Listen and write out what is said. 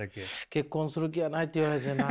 「結婚する気はない」って言われてな。